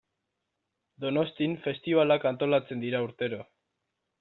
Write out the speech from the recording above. Donostian festibalak antolatzen dira urtero.